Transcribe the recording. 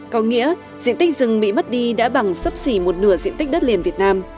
có nghĩa diện tích rừng bị mất đi đã bằng sấp xỉ một nửa diện tích đất liền việt nam